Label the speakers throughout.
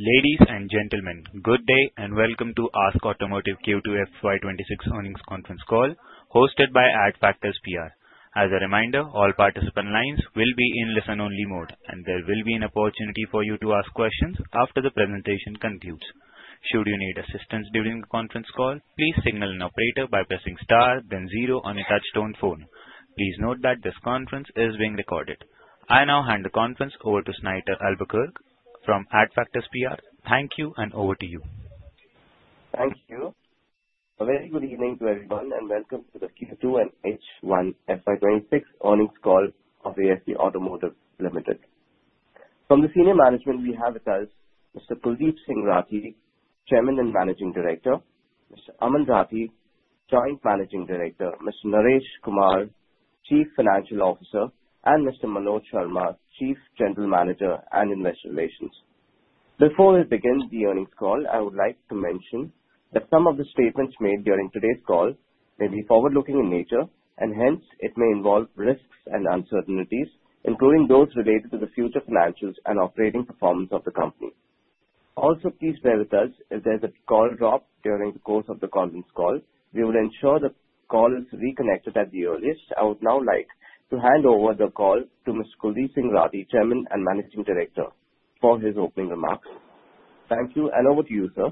Speaker 1: Ladies and gentlemen, good day and welcome to ASK Automotive Q2 FY 2026 Earnings Conference Call, hosted by Adfactors PR. As a reminder, all participant lines will be in listen-only mode, and there will be an opportunity for you to ask questions after the presentation concludes. Should you need assistance during the conference call, please signal an operator by pressing star, then zero on a touch-tone phone. Please note that this conference is being recorded. I now hand the conference over to Snighter Albuquerque from Adfactors PR. Thank you, and over to you.
Speaker 2: Thank you. A very good evening to everyone, and welcome to the Q2 and H1 FY 2026 earnings call of ASK Automotive Limited. From the senior management, we have with us Mr. Kuldip Singh Rathee, Chairman and Managing Director, Mr. Aman Rathee, Joint Managing Director, Mr. Naresh Kumar, Chief Financial Officer, and Mr. Manoj Sharma, Chief General Manager and Investor Relations. Before we begin the earnings call, I would like to mention that some of the statements made during today's call may be forward-looking in nature, and hence it may involve risks and uncertainties, including those related to the future financials and operating performance of the company. Also, please bear with us if there's a call drop during the course of the conference call. We will ensure the call is reconnected at the earliest. I would now like to hand over the call to Mr. Kuldip Singh Rathee, Chairman and Managing Director, for his opening remarks. Thank you, and over to you, sir.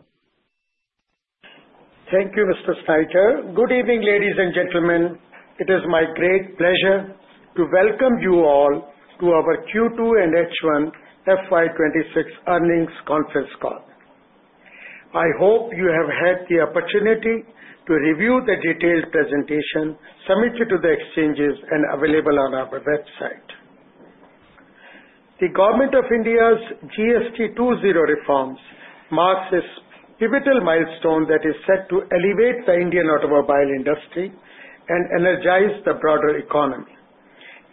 Speaker 3: Thank you, Mr. Snighter. Good evening, ladies and gentlemen. It is my great pleasure to welcome you all to our Q2 and H1 FY 2026 earnings conference call. I hope you have had the opportunity to review the detailed presentation submitted to the exchanges and available on our website. The Government of India's GST 2.0 Reforms mark this pivotal milestone that is set to elevate the Indian automobile industry and energize the broader economy,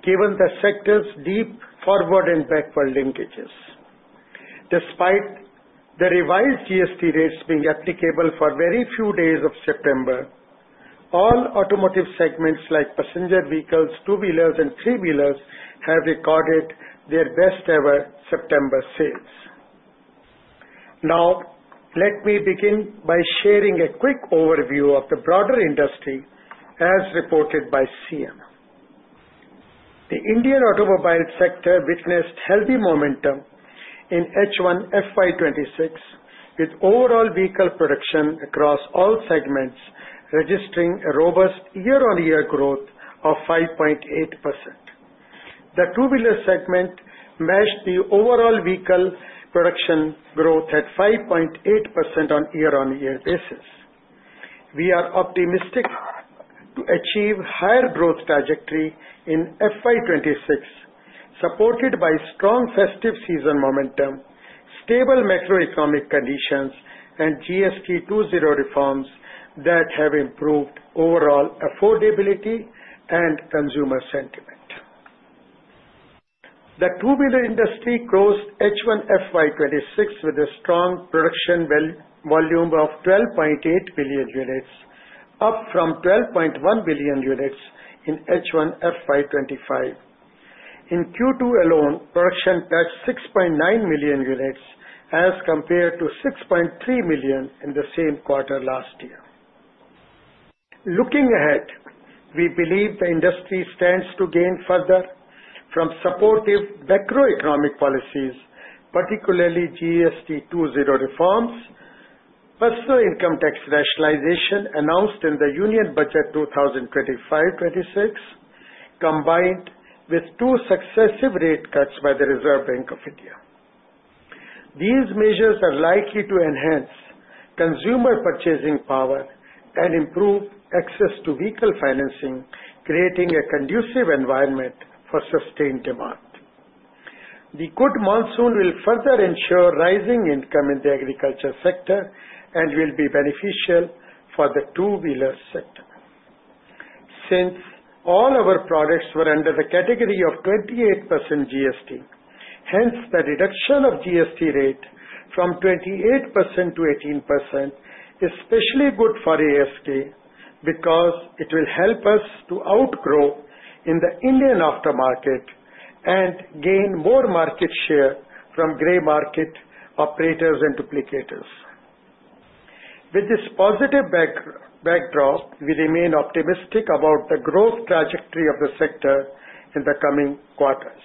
Speaker 3: given the sector's deep forward and backward linkages. Despite the revised GST rates being applicable for very few days of September, all automotive segments like passenger vehicles, two-wheelers, and three-wheelers have recorded their best-ever September sales. Now, let me begin by sharing a quick overview of the broader industry as reported by SIAM. The Indian automobile sector witnessed healthy momentum in H1 FY 2026, with overall vehicle production across all segments registering a robust year-on-year growth of 5.8%. The two-wheeler segment matched the overall vehicle production growth at 5.8% on a year-on-year basis. We are optimistic to achieve a higher growth trajectory in FY 2026, supported by strong festive season momentum, stable macroeconomic conditions, and GST 2.0 Reforms that have improved overall affordability and consumer sentiment. The two-wheeler industry closed H1 FY 2026 with a strong production volume of 12.8 million units, up from 12.1 million units in H1 FY 2025. In Q2 alone, production touched 6.9 million units as compared to 6.3 million in the same quarter last year. Looking ahead, we believe the industry stands to gain further from supportive macroeconomic policies, particularly GST 2.0 Reforms, personal income tax rationalization announced in the Union Budget 2025-2026, combined with two successive rate cuts by the Reserve Bank of India. These measures are likely to enhance consumer purchasing power and improve access to vehicle financing, creating a conducive environment for sustained demand. The good monsoon will further ensure rising income in the agriculture sector and will be beneficial for the two-wheeler sector. Since all our products were under the category of 28% GST, hence the reduction of GST rate from 28% to 18% is especially good for ASK because it will help us to outgrow in the Indian aftermarket and gain more market share from gray market operators and duplicators. With this positive backdrop, we remain optimistic about the growth trajectory of the sector in the coming quarters.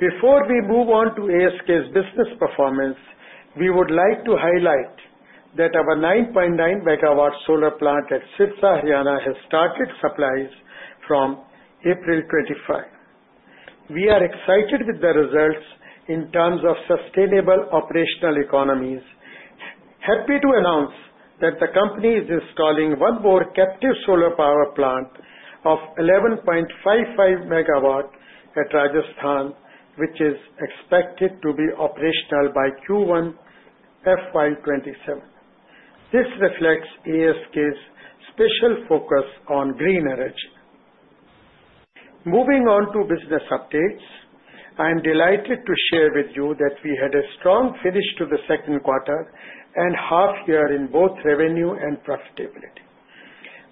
Speaker 3: Before we move on to ASK's business performance, we would like to highlight that our 9.9 MW solar plant at Sirsa, Haryana has started supplies from April 25. We are excited with the results in terms of sustainable operational economies. Happy to announce that the company is installing one more captive solar power plant of 11.55 MW at Rajasthan, which is expected to be operational by Q1 FY 2027. This reflects ASK's special focus on green energy. Moving on to business updates, I'm delighted to share with you that we had a strong finish to the second quarter and half year in both revenue and profitability.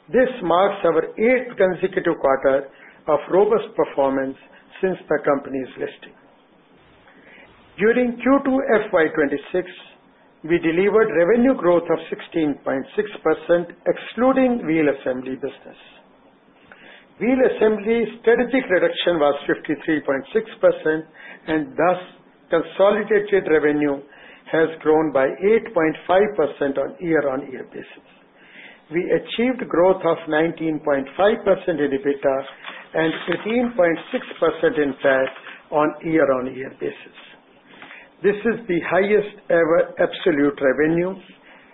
Speaker 3: This marks our eighth consecutive quarter of robust performance since the company's listing. During Q2 FY 2026, we delivered revenue growth of 16.6% excluding Wheel Assembly business. Wheel Assembly strategic reduction was 53.6%, and thus consolidated revenue has grown by 8.5% on a year-on-year basis. We achieved growth of 19.5% in EBITDA and 18.6% in PAT on a year-on-year basis. This is the highest-ever absolute revenue,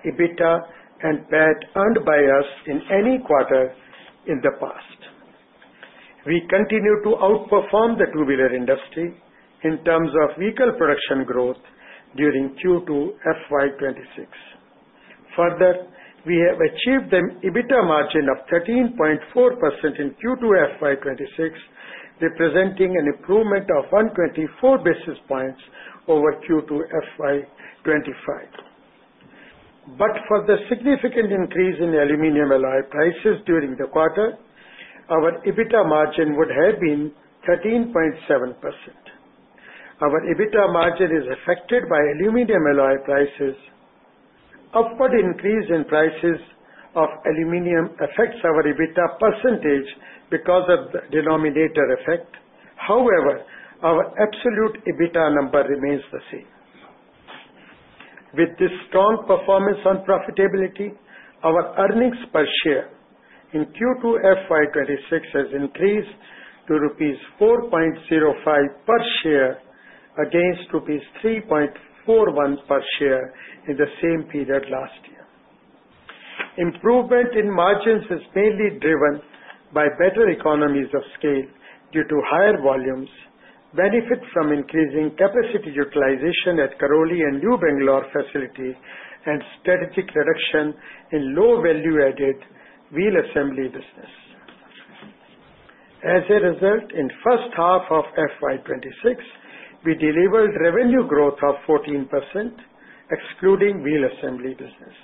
Speaker 3: EBITDA, and PAT earned by us in any quarter in the past. We continue to outperform the two-wheeler industry in terms of vehicle production growth during Q2 FY 2026. Further, we have achieved an EBITDA margin of 13.4% in Q2 FY 2026, representing an improvement of 124 basis points over Q2 FY 2025. But for the significant increase in aluminum alloy prices during the quarter, our EBITDA margin would have been 13.7%. Our EBITDA margin is affected by aluminum alloy prices. Upward increase in prices of aluminum affects our EBITDA percentage because of the denominator effect. However, our absolute EBITDA number remains the same. With this strong performance on profitability, our earnings per share in Q2 FY 2026 has increased to rupees 4.05 per share against rupees 3.41 per share in the same period last year. Improvement in margins is mainly driven by better economies of scale due to higher volumes, benefit from increasing capacity utilization at Karoli and New Bangalore facilities, and strategic reduction in low-value-added wheel assembly business. As a result, in the first half of FY 2026, we delivered revenue growth of 14% excluding wheel assembly business.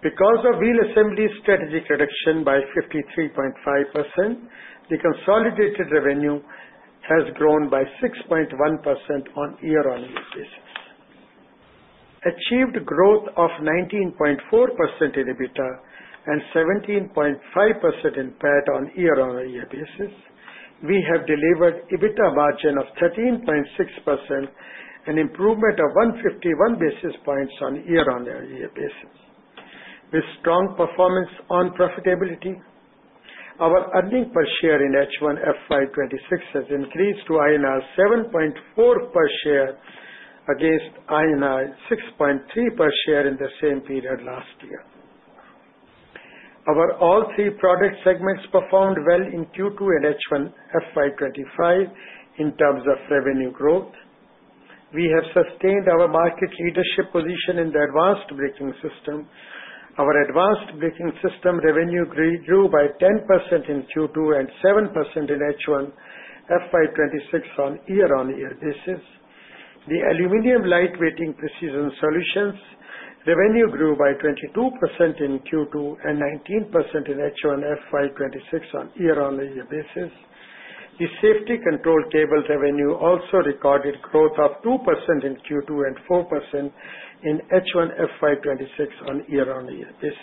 Speaker 3: Because of wheel assembly strategic reduction by 53.5%, the consolidated revenue has grown by 6.1% on a year-on-year basis. Achieved growth of 19.4% in EBITDA and 17.5% in PAT on a year-on-year basis. We have delivered EBITDA margin of 13.6% and improvement of 151 basis points on a year-on-year basis. With strong performance on profitability, our earnings per share in H1 FY 2026 has increased to INR 7.4 per share against INR 6.3 per share in the same period last year. Our all three product segments performed well in Q2 and H1 FY 2025 in terms of revenue growth. We have sustained our market leadership position in the Advanced Braking System. Our Advanced Braking System revenue grew by 10% in Q2 and 7% in H1 FY 2026 on a year-on-year basis. The Aluminium Lightweighting Precision Solutions revenue grew by 22% in Q2 and 19% in H1 FY 2026 on a year-on-year basis. The Safety Control Cable revenue also recorded growth of 2% in Q2 and 4% in H1 FY 2026 on a year-on-year basis.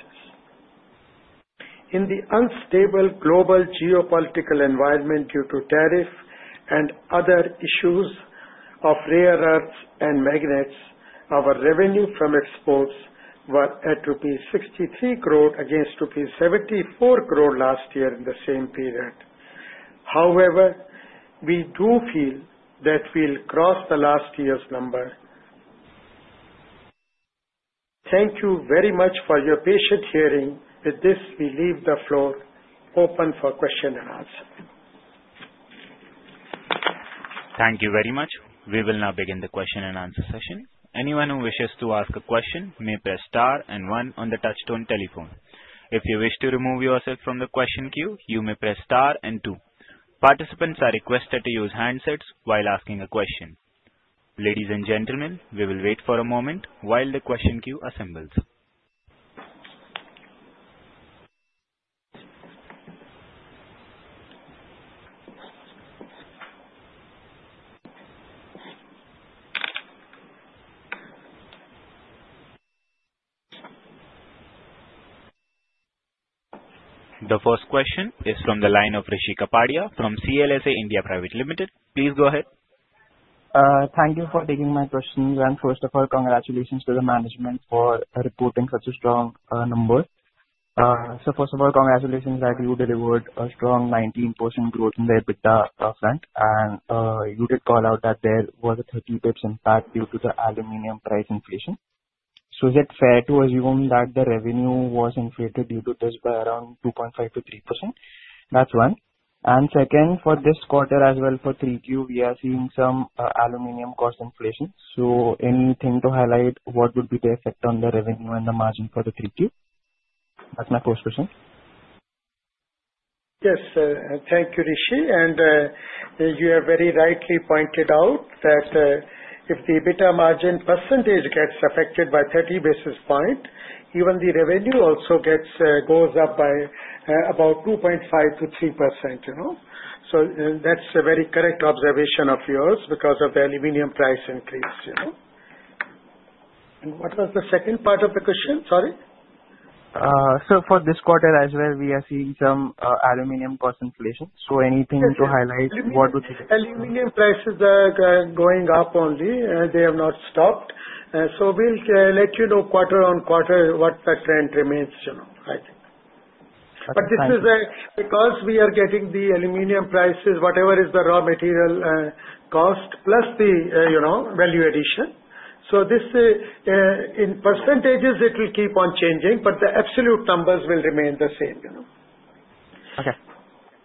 Speaker 3: In the unstable global geopolitical environment due to tariffs and other issues of rare earths and magnets, our revenue from exports was at rupees 63 crore against rupees 74 crore last year in the same period. However, we do feel that we'll cross the last year's number. Thank you very much for your patience hearing. With this, we leave the floor open for question and answer.
Speaker 1: Thank you very much. We will now begin the question and answer session. Anyone who wishes to ask a question may press star and one on the touch-tone telephone. If you wish to remove yourself from the question queue, you may press star and two. Participants are requested to use handsets while asking a question. Ladies and gentlemen, we will wait for a moment while the question queue assembles. The first question is from the line of Rishi Kapadia from CLSA India Private Limited. Please go ahead.
Speaker 4: Thank you for taking my question. And first of all, congratulations to the management for reporting such a strong number. So first of all, congratulations that you delivered a strong 19% growth in the EBITDA front, and you did call out that there was a 30 basis points in PAT due to the aluminum price inflation. So is it fair to assume that the revenue was inflated due to this by around 2.5%-3%? That's one. And second, for this quarter as well, for 3Q, we are seeing some aluminum cost inflation. So anything to highlight what would be the effect on the revenue and the margin for the 3Q? That's my first question.
Speaker 3: Yes, thank you, Rishi. And you have very rightly pointed out that if the EBITDA margin percentage gets affected by 30 basis points, even the revenue also goes up by about 2.5%-3%. So that's a very correct observation of yours because of the aluminum price increase. And what was the second part of the question? Sorry.
Speaker 4: So, for this quarter as well, we are seeing some aluminum cost inflation. So, anything to highlight what would be the effect?
Speaker 3: Aluminum prices are going up only. They have not stopped. So we'll let you know quarter on quarter what the trend remains, I think. But this is because we are getting the aluminum prices, whatever is the raw material cost, plus the value addition. So in percentages, it will keep on changing, but the absolute numbers will remain the same.
Speaker 4: Okay.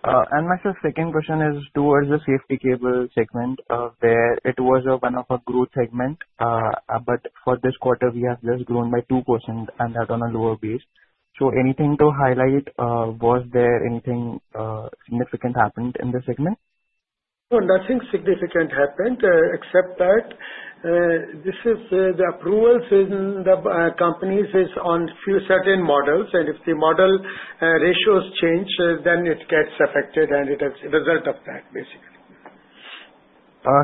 Speaker 4: And my second question is towards the safety cable segment where it was one of our growth segments, but for this quarter, we have just grown by 2% and that on a lower base. So anything to highlight? Was there anything significant happened in the segment?
Speaker 3: Nothing significant happened except that this is the approvals in the companies is on certain models, and if the model ratios change, then it gets affected and it is a result of that, basically.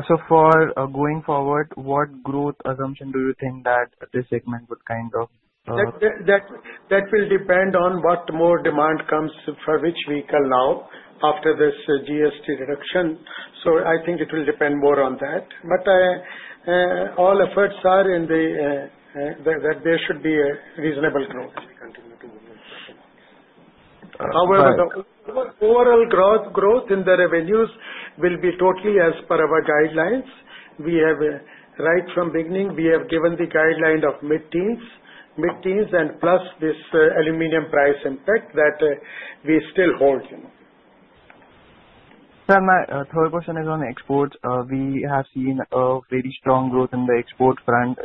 Speaker 4: So, for going forward, what growth assumption do you think that this segment would kind of?
Speaker 3: That will depend on what more demand comes for which vehicle now after this GST reduction. So I think it will depend more on that. But all efforts are in that there should be a reasonable growth if we continue to move in. However, the overall growth in the revenues will be totally as per our guidelines. Right from beginning, we have given the guideline of mid-teens, mid-teens, and plus this aluminum price impact that we still hold.
Speaker 4: So my third question is on exports. We have seen a very strong growth in the export front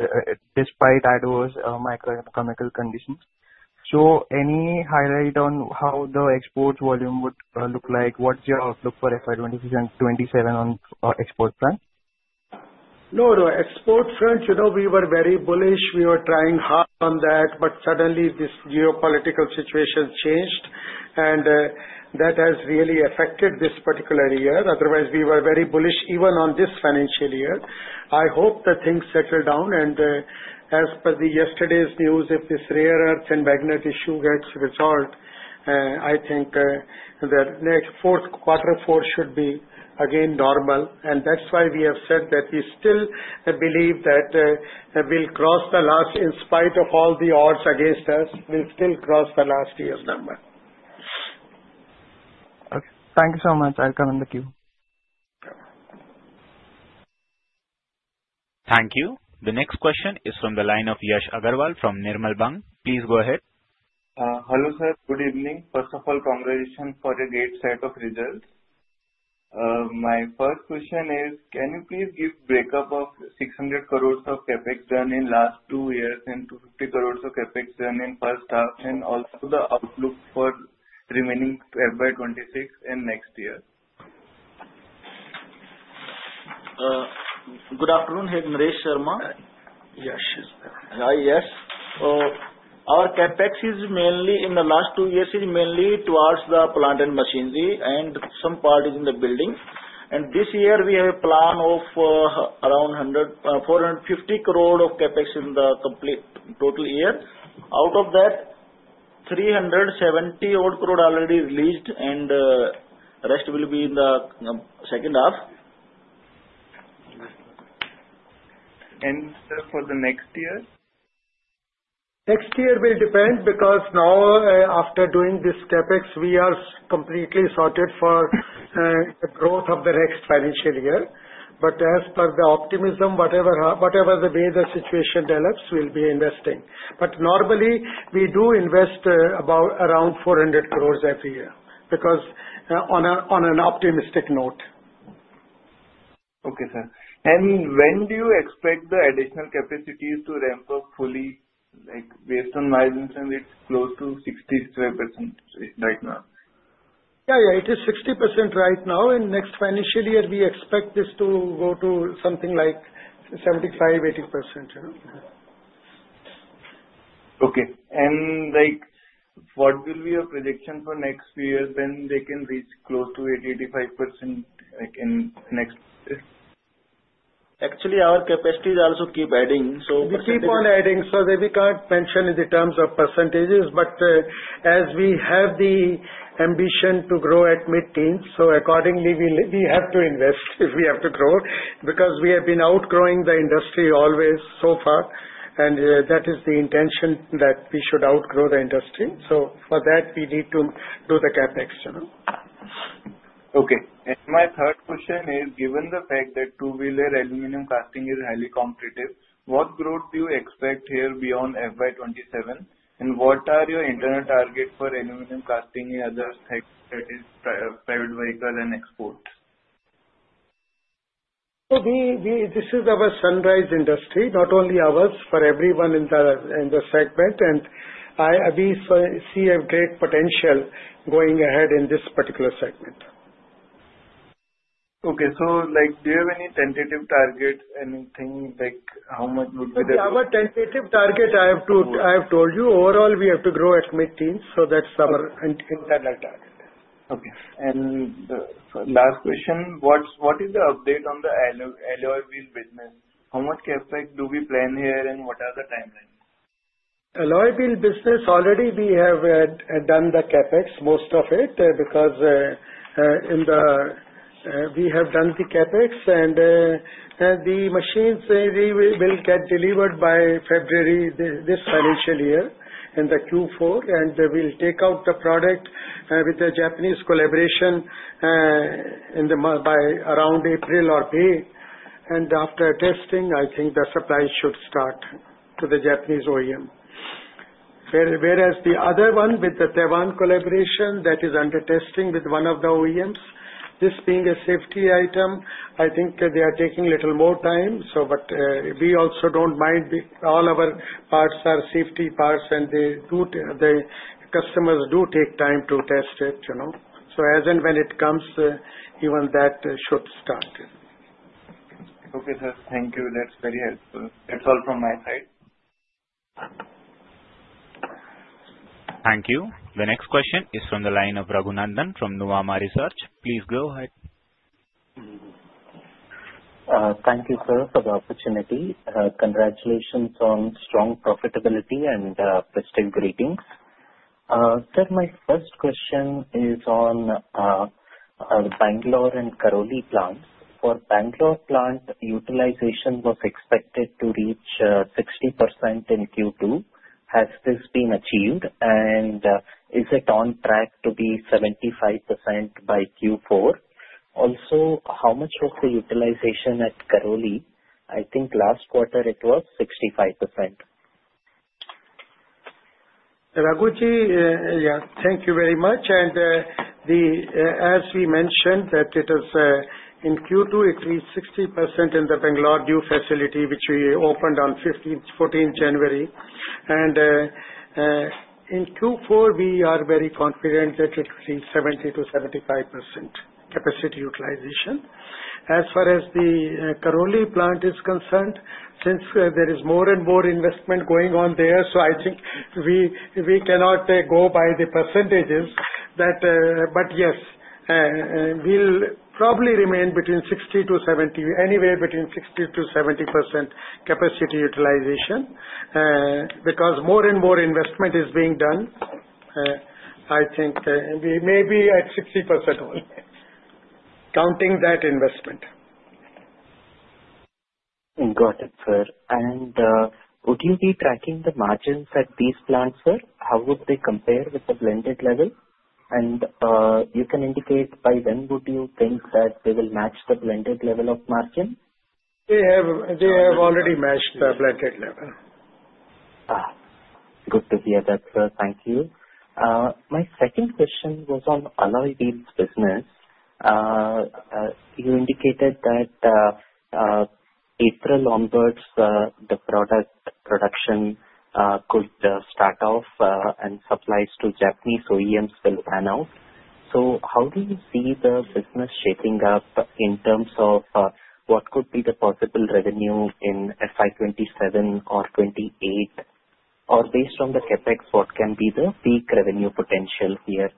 Speaker 4: despite adverse macroeconomic conditions. So any highlight on how the export volume would look like? What's your outlook for FY 2026 and 2027 on export front?
Speaker 3: No, the export front, we were very bullish. We were trying hard on that, but suddenly this geopolitical situation changed, and that has really affected this particular year. Otherwise, we were very bullish even on this financial year. I hope that things settle down. And as per yesterday's news, if this rare earths and magnets issue gets resolved, I think the fourth quarter four should be again normal. And that's why we have said that we still believe that we'll cross the last. In spite of all the odds against us, we'll still cross the last year's number.
Speaker 4: Okay. Thank you so much. I'll come in the queue.
Speaker 1: Thank you. The next question is from the line of Yash Agarwal from Nirmal Bang. Please go ahead.
Speaker 5: Hello sir. Good evening. First of all, congratulations for a great set of results. My first question is, can you please give a breakup of 600 crores of Capex done in the last two years and 250 crores of Capex done in the first half and also the outlook for remaining FY 2026 and next year?
Speaker 6: Good afternoon. Hey, Naresh Kumar.
Speaker 5: Yes, yes.
Speaker 6: Hi, yes. Our CapEx is mainly in the last two years is mainly towards the plant and machinery and some part is in the building. And this year, we have a plan of around 450 crores of CapEx in the complete total year. Out of that, 370 crores already released, and the rest will be in the second half.
Speaker 5: Sir, for the next year?
Speaker 6: Next year will depend because now, after doing this Capex, we are completely sorted for the growth of the next financial year. But as per the optimism, whatever the way the situation develops, we'll be investing. But normally, we do invest around 400 crores every year because on an optimistic note.
Speaker 5: Okay, sir. And when do you expect the additional capacity to ramp up fully? Based on my understanding, it's close to 60% right now.
Speaker 6: Yeah, yeah. It is 60% right now. In the next financial year, we expect this to go to something like 75%-80%.
Speaker 5: Okay. And what will be your prediction for next few years when they can reach close to 80%-85% in the next year?
Speaker 6: Actually, our capacity is also keep adding, so perhaps.
Speaker 3: We keep on adding, so we can't mention in terms of percentages, but as we have the ambition to grow at mid-teens, so accordingly, we have to invest if we have to grow because we have been outgrowing the industry always so far, and that is the intention that we should outgrow the industry, so for that, we need to do the Capex.
Speaker 5: Okay. And my third question is, given the fact that two-wheeler aluminum casting is highly competitive, what growth do you expect here beyond FY 2027? And what are your internal targets for aluminum casting in other sectors such as private vehicle and export?
Speaker 3: This is our sunrise industry, not only ours, for everyone in the segment, and we see a great potential going ahead in this particular segment.
Speaker 5: Okay, so do you have any tentative target, anything like how much would be the?
Speaker 3: Our tentative target, I have told you, overall, we have to grow at mid-teens, so that's our internal target.
Speaker 5: Okay. And last question, what is the update on the alloy wheel business? How much Capex do we plan here and what are the timelines?
Speaker 3: Alloy wheel business. Already we have done the CapEx, most of it, because we have done the CapEx. And the machines, they will get delivered by February this financial year in the Q4. And we'll take out the product with the Japanese collaboration by around April or May. And after testing, I think the supply should start to the Japanese OEM. Whereas the other one with the Taiwan collaboration, that is under testing with one of the OEMs. This being a safety item, I think they are taking a little more time. But we also don't mind. All our parts are safety parts, and the customers do take time to test it. So as and when it comes, even that should start.
Speaker 5: Okay, sir. Thank you. That's very helpful. That's all from my side.
Speaker 1: Thank you. The next question is from the line of Raghunandan from Nuvama Research. Please go ahead.
Speaker 7: Thank you, sir, for the opportunity. Congratulations on strong profitability and festive greetings. Sir, my first question is on Bangalore and Karoli plants. For Bangalore plant, utilization was expected to reach 60% in Q2. Has this been achieved? And is it on track to be 75% by Q4? Also, how much was the utilization at Karoli? I think last quarter it was 65%.
Speaker 3: Raghunandan, yeah, thank you very much. And as we mentioned, that it is in Q2, it reached 60% in the Bangalore new facility, which we opened on 14th January. And in Q4, we are very confident that it will be 70%-75% capacity utilization. As far as the Karoli plant is concerned, since there is more and more investment going on there, so I think we cannot go by the percentages. But yes, we'll probably remain between 60%-70%, anywhere between 60%-70% capacity utilization because more and more investment is being done. I think we may be at 60% only, counting that investment.
Speaker 7: Got it, sir. And would you be tracking the margins at these plants, sir? How would they compare with the blended level? And you can indicate by when would you think that they will match the blended level of margin?
Speaker 3: They have already matched the blended level.
Speaker 7: Good to hear that, sir. Thank you. My second question was on alloy wheel business. You indicated that April onwards, the product production could start off and supplies to Japanese OEMs will run out. So how do you see the business shaping up in terms of what could be the possible revenue in FY 2027 or 28? Or based on the CapEx, what can be the peak revenue potential here?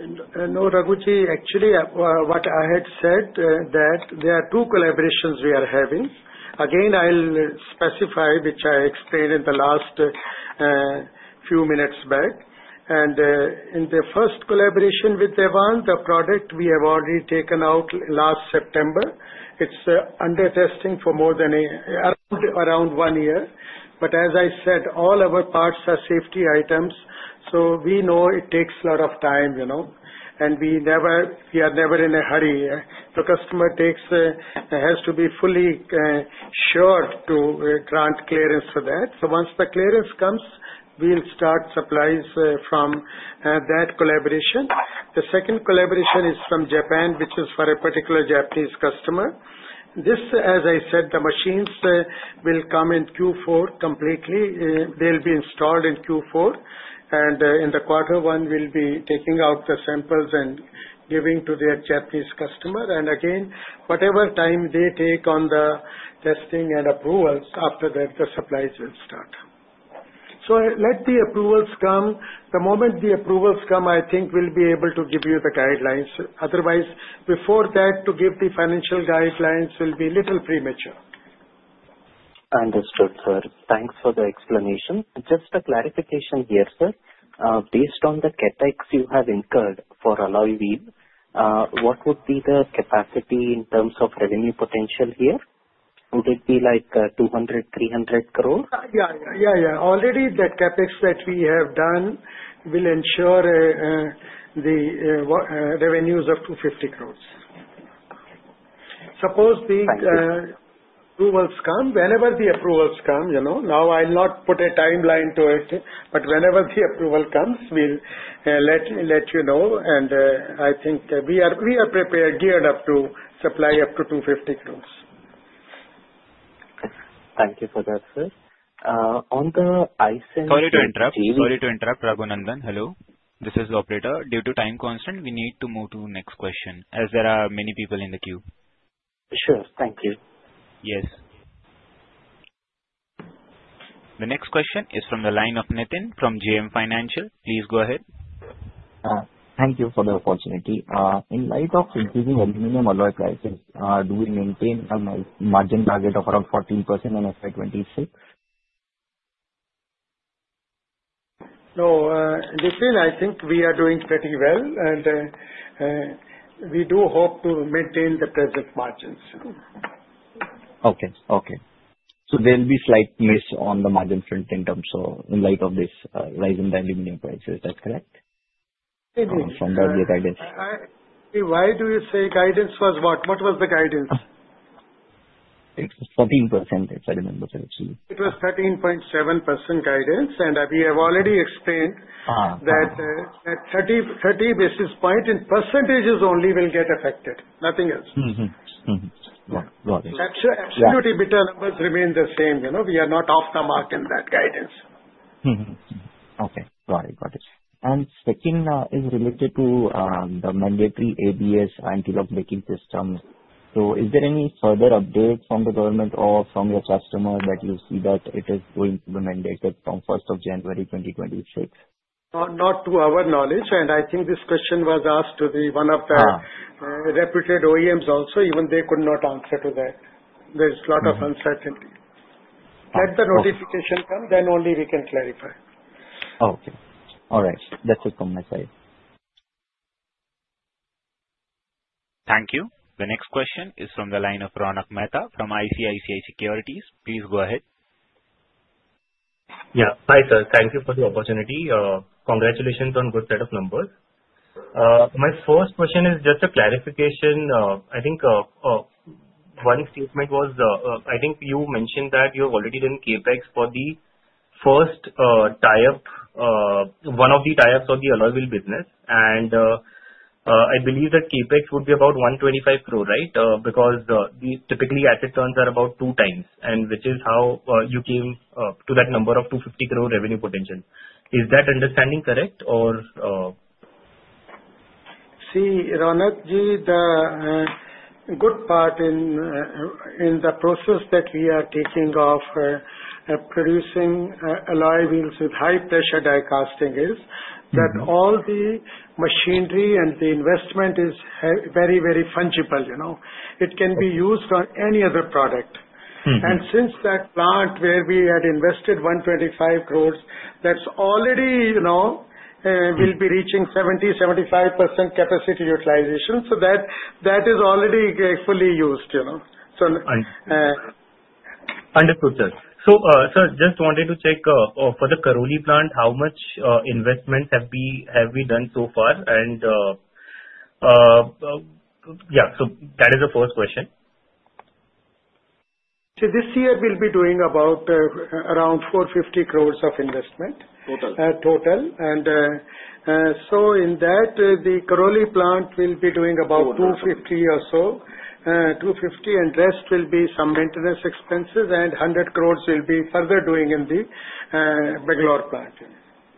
Speaker 3: No, Raghunandan. Actually, what I had said, that there are two collaborations we are having. Again, I'll specify, which I explained in the last few minutes back, and in the first collaboration with Taiwan, the product we have already taken out last September, it's under testing for more than around one year. But as I said, all our parts are safety items, so we know it takes a lot of time. And we are never in a hurry. The customer has to be fully sure to grant clearance for that. So once the clearance comes, we'll start supplies from that collaboration. The second collaboration is from Japan, which is for a particular Japanese customer. This, as I said, the machines will come in Q4 completely. They'll be installed in Q4. And in the quarter one, we'll be taking out the samples and giving to the Japanese customer. And again, whatever time they take on the testing and approvals, after that, the supplies will start. So let the approvals come. The moment the approvals come, I think we'll be able to give you the guidelines. Otherwise, before that, to give the financial guidelines will be a little premature.
Speaker 7: Understood, sir. Thanks for the explanation. Just a clarification here, sir. Based on the Capex you have incurred for alloy wheel, what would be the capacity in terms of revenue potential here? Would it be like 200-300 crores?
Speaker 3: Already, the CapEx that we have done will ensure the revenues of 250 crores. Suppose the approvals come, whenever the approvals come, now I'll not put a timeline to it, but whenever the approval comes, we'll let you know, and I think we are geared up to supply up to 250 crores.
Speaker 7: Thank you for that, sir. On the.
Speaker 1: Sorry to interrupt. Sorry to interrupt, Raghunandan. Hello. This is the operator. Due to time constraints, we need to move to the next question as there are many people in the queue.
Speaker 7: Sure. Thank you.
Speaker 1: Yes. The next question is from the line of Nitin from JM Financial. Please go ahead.
Speaker 8: Thank you for the opportunity. In light of increasing aluminum alloy prices, do we maintain a margin target of around 14% in FY 2026?
Speaker 3: No, Nitin, I think we are doing pretty well. And we do hope to maintain the present margins.
Speaker 8: Okay, okay. So there will be a slight miss on the margin print in light of this rise in the aluminum prices. Is that correct?
Speaker 3: Maybe.
Speaker 8: From the guidance.
Speaker 3: Why do you say guidance was what? What was the guidance?
Speaker 8: It was 14%, if I remember correctly.
Speaker 3: It was 13.7% guidance, and we have already explained that 30 basis points in percentages only will get affected. Nothing else.
Speaker 8: Got it.
Speaker 3: Absolutely. Better numbers remain the same. We are not off the mark in that guidance.
Speaker 8: Okay. Got it, got it. And second is related to the mandatory ABS anti-lock braking system. So is there any further update from the government or from your customer that you see that it is going to be mandated from 1st of January 2026?
Speaker 3: Not to our knowledge. And I think this question was asked to one of the reputed OEMs also. Even they could not answer to that. There's a lot of uncertainty. Let the notification come. Then only we can clarify.
Speaker 8: Okay. All right. That's it from my side.
Speaker 1: Thank you. The next question is from the line of Ronak Mehta from ICICI Securities. Please go ahead.
Speaker 9: Yeah. Hi, sir. Thank you for the opportunity. Congratulations on a good set of numbers. My first question is just a clarification. I think one statement was I think you mentioned that you have already done Capex for the first tie-up, one of the tie-ups of the Alloy Wheel business. And I believe that Capex would be about 125 crores, right? Because typically, asset turns are about two times, which is how you came to that number of 250 crores revenue potential. Is that understanding correct, or?
Speaker 3: See, Ronak ji, the good part in the process that we are taking off producing alloy wheels with high-pressure die casting is that all the machinery and the investment is very, very fungible. It can be used on any other product. And since that plant where we had invested 125 crore, that's already will be reaching 70%-75% capacity utilization. So that is already fully used. So.
Speaker 9: Understood, sir. So, sir, just wanted to check for the Karoli plant, how much investment have we done so far? And yeah, so that is the first question.
Speaker 3: See, this year, we'll be doing about around 450 crores of investment.
Speaker 9: Total?
Speaker 3: Total. And so in that, the Karoli plant will be doing about 250 or so. 250. And rest will be some maintenance expenses. And 100 crore will be further doing in the Bangalore plant.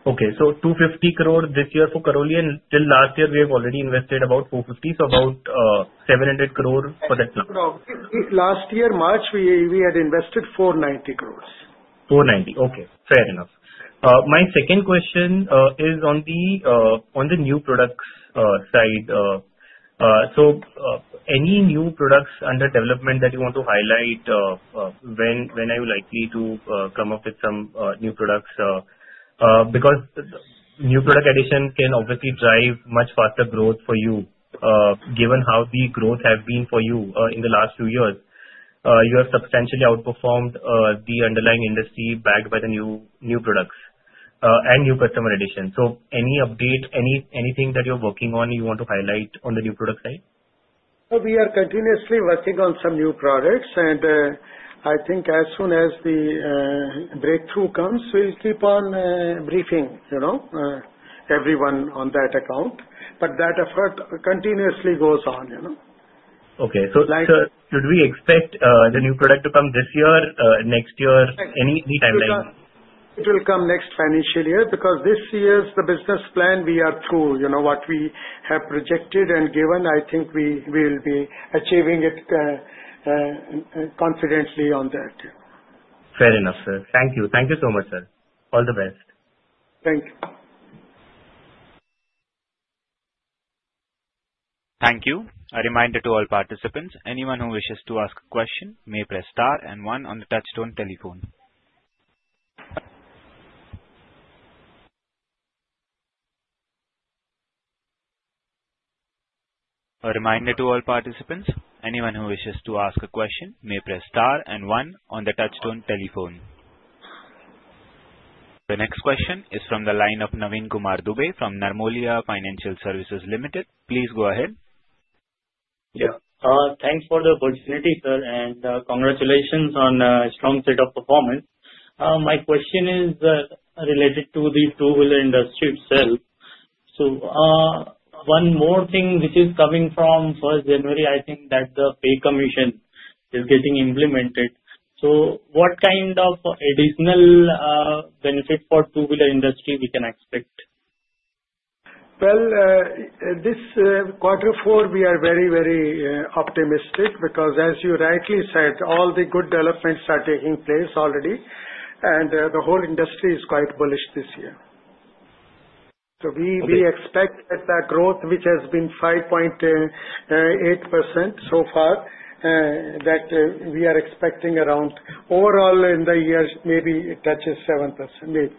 Speaker 9: Okay. So 250 crores this year for Karoli. And till last year, we have already invested about 450, so about 700 crores for that plant.
Speaker 3: Last year, March, we had invested 490 crores.
Speaker 9: Okay. Fair enough. My second question is on the new products side. So any new products under development that you want to highlight? When are you likely to come up with some new products? Because new product addition can obviously drive much faster growth for you, given how the growth has been for you in the last few years. You have substantially outperformed the underlying industry backed by the new products and new customer addition. So any update, anything that you're working on you want to highlight on the new product side?
Speaker 3: We are continuously working on some new products. And I think as soon as the breakthrough comes, we'll keep on briefing everyone on that account. But that effort continuously goes on.
Speaker 9: Okay. So should we expect the new product to come this year, next year, any timeline?
Speaker 3: It will come next financial year because this year's the business plan we are through. What we have projected and given, I think we will be achieving it confidently on that.
Speaker 9: Fair enough, sir. Thank you. Thank you so much, sir. All the best.
Speaker 3: Thank you.
Speaker 1: Thank you. A reminder to all participants, anyone who wishes to ask a question may press star and one on the touch-tone telephone. A reminder to all participants, anyone who wishes to ask a question may press star and one on the touch-tone telephone. The next question is from the line of Navin Kumar Dubey from Narnolia Financial Services Limited. Please go ahead.
Speaker 10: Yeah. Thanks for the opportunity, sir. And congratulations on a strong set of performance. My question is related to the two-wheeler industry itself. So one more thing, which is coming from 1st January, I think that the Pay Commission is getting implemented. So what kind of additional benefit for the two-wheeler industry we can expect?
Speaker 3: This quarter four, we are very, very optimistic because, as you rightly said, all the good developments are taking place already. The whole industry is quite bullish this year. We expect that the growth, which has been 5.8% so far, that we are expecting around overall in the year, maybe it touches 7%, maybe.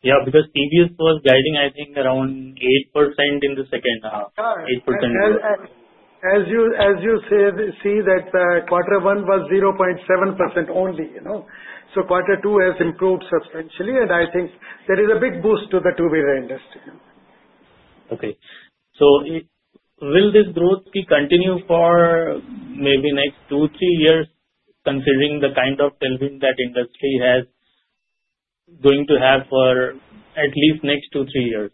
Speaker 10: Yeah, because TVS was guiding, I think, around 8% in the second half. 8% in the second.
Speaker 3: As you see, that quarter one was 0.7% only. So quarter two has improved substantially. And I think there is a big boost to the two-wheeler industry.
Speaker 10: Okay. So will this growth continue for maybe next two, three years, considering the kind of deleveraging that industry has going to have for at least next two, three years?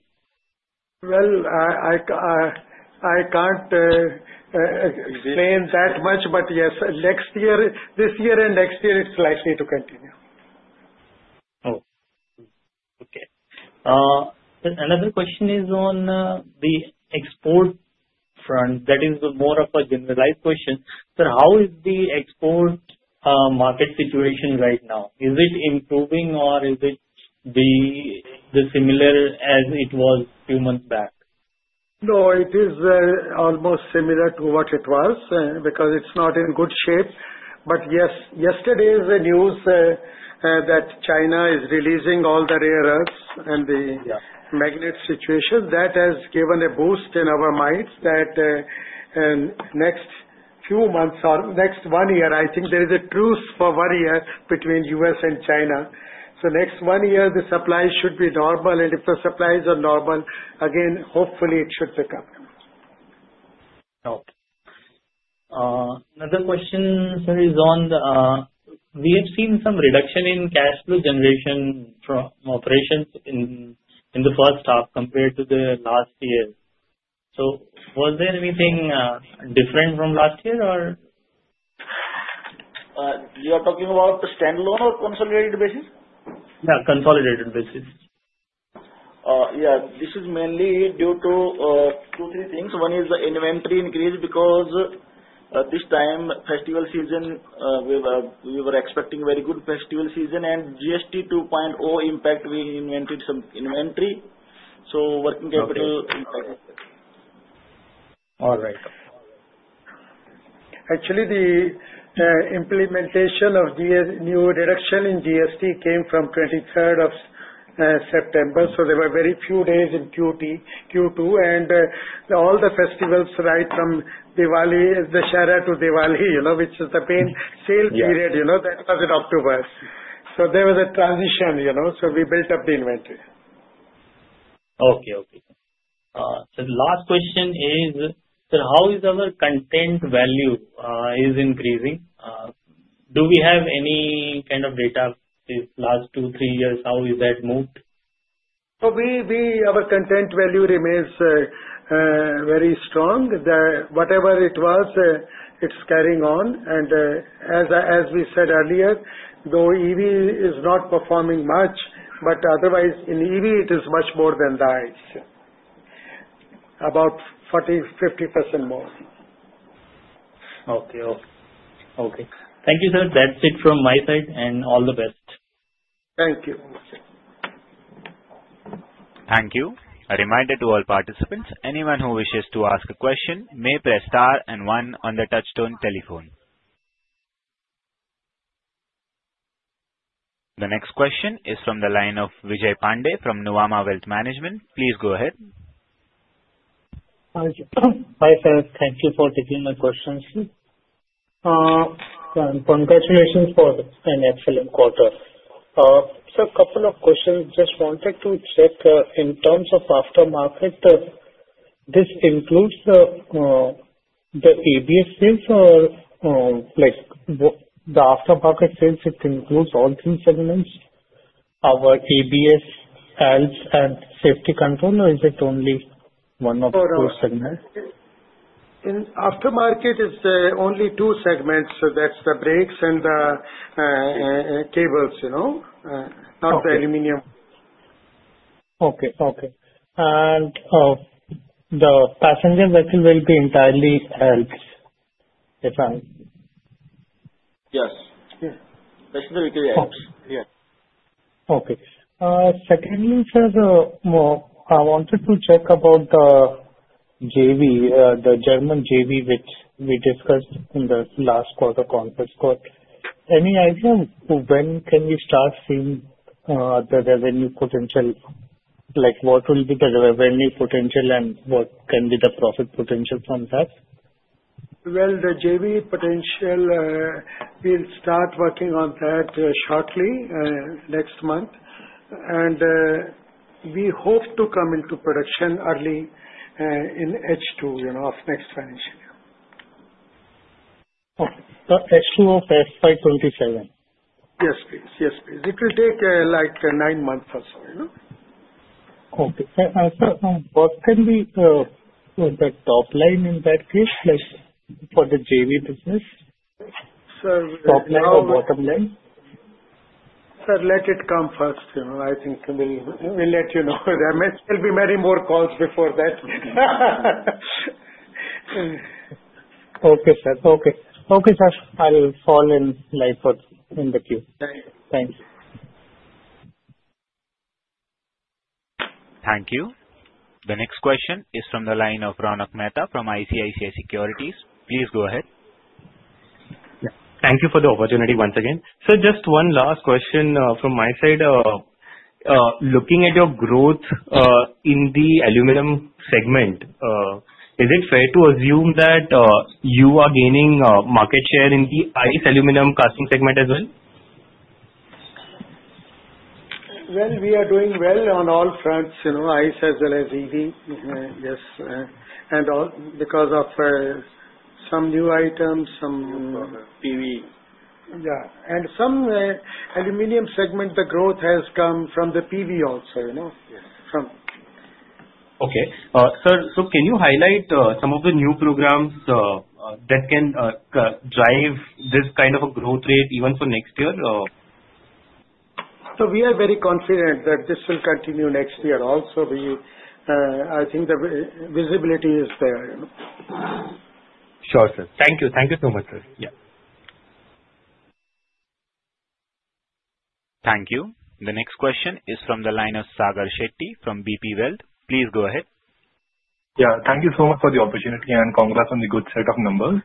Speaker 3: Well, I can't explain that much. But yes, this year and next year, it's likely to continue.
Speaker 10: Okay. Another question is on the export front. That is more of a generalized question. Sir, how is the export market situation right now? Is it improving, or is it similar as it was a few months back?
Speaker 3: No, it is almost similar to what it was because it's not in good shape. But yes, yesterday's news that China is releasing all the rare earths and the magnets situation, that has given a boost in our minds that next few months or next one year, I think there is a truce for one year between the U.S. and China. So next one year, the supply should be normal. And if the supplies are normal, again, hopefully, it should pick up.
Speaker 10: Okay. Another question, sir, is on we have seen some reduction in cash flow generation operations in the first half compared to the last year. So was there anything different from last year, or?
Speaker 3: You are talking about the standalone or consolidated basis?
Speaker 10: Yeah, consolidated basis.
Speaker 3: Yeah. This is mainly due to two, three things. One is the inventory increase because this time, festival season, we were expecting very good festival season. And GST 2.0 impact, we invested some inventory. So working capital impact.
Speaker 10: All right.
Speaker 3: Actually, the implementation of new reduction in GST came from 23rd of September. So there were very few days in Q2. And all the festivals, right, from Sharad to Diwali, which is the main sale period, that was in October. So there was a transition. So we built up the inventory.
Speaker 10: Okay, okay. So the last question is, sir, how is our content value increasing? Do we have any kind of data these last two, three years? How is that moved?
Speaker 3: So our content value remains very strong. Whatever it was, it's carrying on. And as we said earlier, though EV is not performing much, but otherwise, in EV, it is much more than that, about 40%-50% more.
Speaker 10: Okay, okay. Thank you, sir. That's it from my side and all the best.
Speaker 3: Thank you.
Speaker 1: Thank you. A reminder to all participants, anyone who wishes to ask a question may press star and one on the touch-tone telephone. The next question is from the line of Vijay Pandey from Nuvama Wealth Management. Please go ahead.
Speaker 11: Hi, sir. Thank you for taking my questions, sir. Congratulations for an excellent quarter. Sir, a couple of questions. Just wanted to check, in terms of aftermarket, this includes the ABS sales or the aftermarket sales? It includes all three segments? Our ABS, ALPS, and Safety Control, or is it only one of two segments?
Speaker 3: Aftermarket is only two segments, so that's the brakes and the cables, not the aluminum.
Speaker 11: Okay, okay. And the passenger vessel will be entirely ALPS, if I'm?
Speaker 3: Yes. That's specifically ALPS. Yeah.
Speaker 11: Okay. Secondly, sir, I wanted to check about the JV, the German JV, which we discussed in the last quarter conference call. Any idea when can we start seeing the revenue potential? What will be the revenue potential, and what can be the profit potential from that?
Speaker 3: The JV potential, we'll start working on that shortly next month. We hope to come into production early in H2 of next financial year.
Speaker 11: Okay. So H2 of FY 2027?
Speaker 3: Yes, please. Yes, please. It will take like nine months or so.
Speaker 11: Okay. Sir, what can be the top line in that case for the JV business?
Speaker 3: Sir.
Speaker 11: Top line or bottom line?
Speaker 3: Sir, let it come first. I think we'll let you know. There may still be many more calls before that.
Speaker 11: Okay, sir. Okay. Okay, sir. I'll fall in line in the queue.
Speaker 3: Thank you.
Speaker 11: Thank you.
Speaker 1: Thank you. The next question is from the line of Ronak Mehta from ICICI Securities. Please go ahead.
Speaker 9: Yeah. Thank you for the opportunity once again. Sir, just one last question from my side. Looking at your growth in the aluminum segment, is it fair to assume that you are gaining market share in the ICE aluminum casting segment as well?
Speaker 3: We are doing well on all fronts, ICE as well as EV, yes. And because of some new items, some.
Speaker 9: New product.
Speaker 3: PV. Yeah, and some aluminum segment, the growth has come from the PV also.
Speaker 9: Yes.
Speaker 3: From.
Speaker 9: Okay. Sir, so can you highlight some of the new programs that can drive this kind of a growth rate even for next year?
Speaker 3: So we are very confident that this will continue next year also. I think the visibility is there.
Speaker 9: Sure, sir. Thank you. Thank you so much, sir. Yeah.
Speaker 1: Thank you. The next question is from the line of Sagar Shetty from BP Wealth. Please go ahead.
Speaker 12: Yeah. Thank you so much for the opportunity, and congrats on the good set of numbers,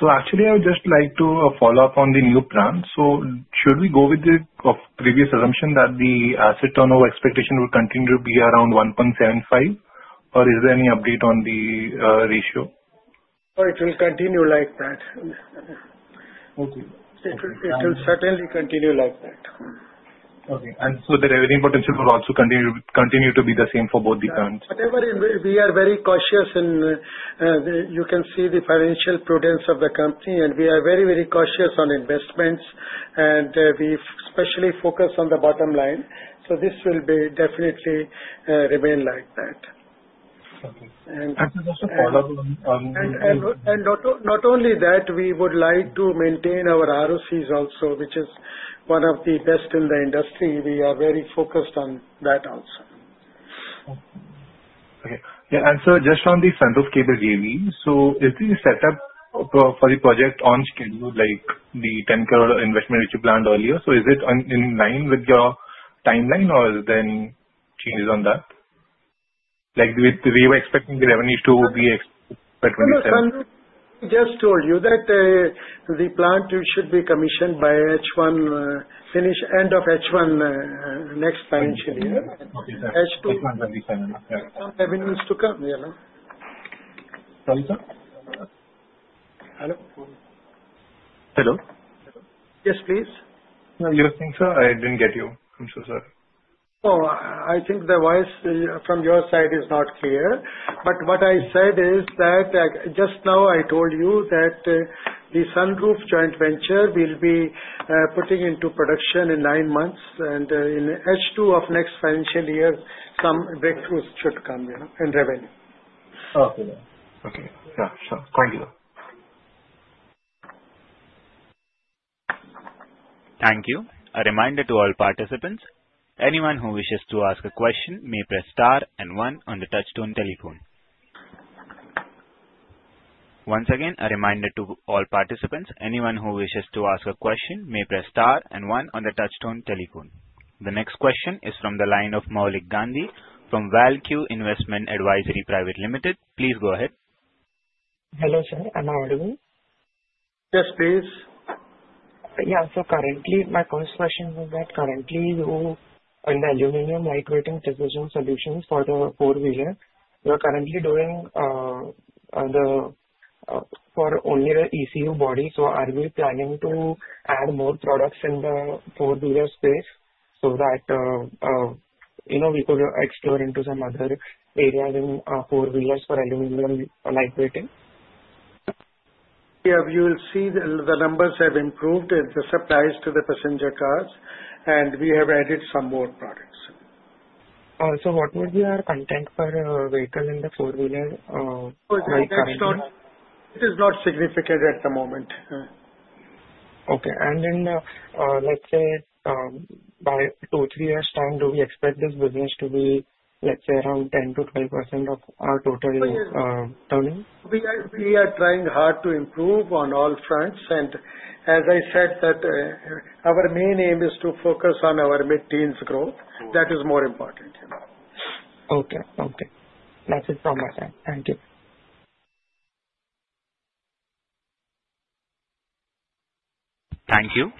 Speaker 12: so actually, I would just like to follow up on the new plant, so should we go with the previous assumption that the asset turnover expectation will continue to be around 1.75, or is there any update on the ratio?
Speaker 3: Oh, it will continue like that.
Speaker 12: Okay.
Speaker 3: It will certainly continue like that.
Speaker 12: Okay, and so the revenue potential will also continue to be the same for both the plans?
Speaker 3: We are very cautious, and you can see the financial prudence of the company. We are very, very cautious on investments, and we especially focus on the bottom line, so this will definitely remain like that.
Speaker 12: Okay.
Speaker 3: Not only that, we would like to maintain our ROCs also, which is one of the best in the industry. We are very focused on that also.
Speaker 12: Sir, just on the front of cable JV, so is the setup for the project on schedule, like the 10 crore investment which you planned earlier? So is it in line with your timeline, or is there any changes on that? Like we were expecting the revenues to be expected by 2027.
Speaker 3: No, sir. We just told you that the plant should be commissioned by H1, finishing end of H1 next financial year.
Speaker 12: Okay, sir. H2.
Speaker 3: H1 27.
Speaker 12: Yeah.
Speaker 3: Some revenues to come.
Speaker 12: Sorry, sir?
Speaker 3: Hello?
Speaker 12: Hello?
Speaker 3: Yes, please.
Speaker 12: No, you're saying, sir? I didn't get you. I'm so sorry.
Speaker 3: Oh, I think the voice from your side is not clear. But what I said is that just now I told you that the sunroof joint venture will be putting into production in nine months. And in H2 of next financial year, some breakthroughs should come in revenue.
Speaker 12: Okay. Okay. Yeah. Sure. Thank you.
Speaker 1: Thank you. A reminder to all participants, anyone who wishes to ask a question may press star and one on the touch-tone telephone. Once again, a reminder to all participants, anyone who wishes to ask a question may press star and one on the touch-tone telephone. The next question is from the line of Maulik Gandhi from Val-Q Investment Advisory Private Limited. Please go ahead.
Speaker 13: Hello, sir. Am I audible?
Speaker 3: Yes, please.
Speaker 13: Yeah. So currently, my first question is that currently, you in the Aluminium Lightweighting Precision Solutions for the four-wheeler, you are currently doing the for only the ECU body. So are we planning to add more products in the four-wheeler space so that we could explore into some other areas in four-wheelers for Aluminum Lightweighting?
Speaker 3: Yeah. We will see the numbers have improved in the supplies to the passenger cars. And we have added some more products.
Speaker 13: What would be our content for vehicle in the four-wheeler?
Speaker 3: It is not significant at the moment.
Speaker 13: Okay. And then let's say by two, three years' time, do we expect this business to be, let's say, around 10%-12% of our total turnover?
Speaker 3: We are trying hard to improve on all fronts, and as I said, our main aim is to focus on our mid-teens growth. That is more important.
Speaker 13: Okay. Okay. That's it from my side. Thank you.
Speaker 1: Thank you.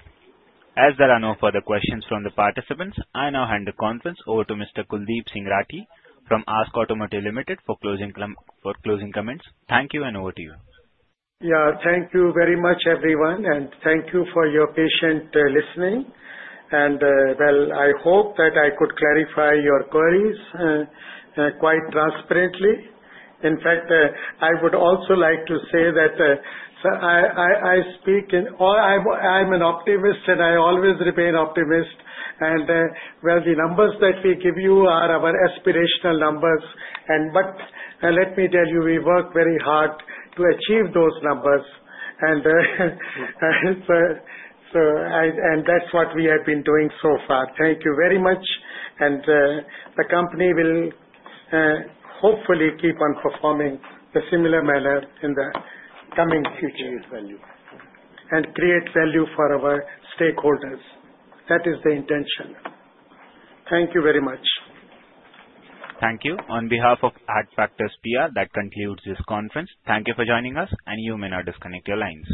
Speaker 1: As there are no further questions from the participants, I now hand the conference over to Mr. Kuldip Singh Rathee from ASK Automotive Limited for closing comments. Thank you, and over to you.
Speaker 3: Yeah. Thank you very much, everyone. And thank you for your patient listening. And well, I hope that I could clarify your queries quite transparently. In fact, I would also like to say that I speak in or I'm an optimist, and I always remain optimist. And well, the numbers that we give you are our aspirational numbers. But let me tell you, we work very hard to achieve those numbers. And that's what we have been doing so far. Thank you very much. And the company will hopefully keep on performing in a similar manner in the coming future.
Speaker 2: Create value.
Speaker 3: And create value for our stakeholders. That is the intention. Thank you very much.
Speaker 1: Thank you. On behalf of Adfactors PR, that concludes this conference. Thank you for joining us. You may now disconnect your lines.